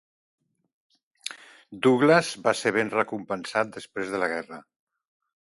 Douglas va ser ben recompensat després de la guerra.